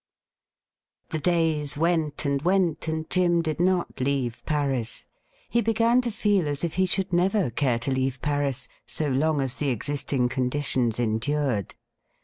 The days went and went, and Jim did not leave Paris. He began to feel as if he should never care to leave Paris — so long as the existing conditions endured.